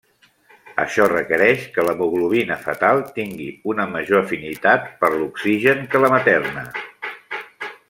Això requereix que l’hemoglobina fetal tingui una major afinitat per l’oxigen que la materna.